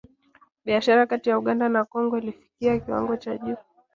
Biashara kati ya Uganda na Kongo ilifikia kiwango cha juu